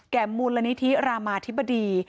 แก่มูลณิธิรามาธิบดี